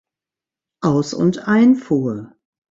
Aus- und Einfuhr.